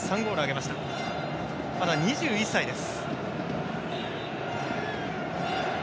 まだ２１歳です。